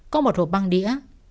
có một hộp băng đĩa